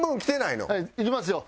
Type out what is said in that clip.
いきますよ。